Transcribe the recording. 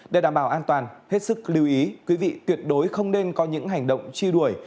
để đảm bảo an toàn hết sức lưu ý quý vị tuyệt đối không nên có những hành động truy đuổi